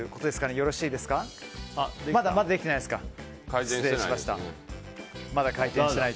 まだできてないですと。